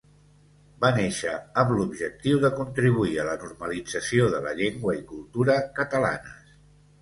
Va néixer amb l'objectiu de contribuir a la normalització de la llengua i cultura catalanes.